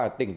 ở tỉnh đông